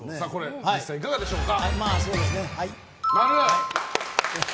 実際いかがでしょうか？